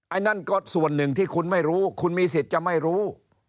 อันนั้นก็ส่วนหนึ่งที่คุณไม่รู้คุณมีสิทธิ์จะไม่รู้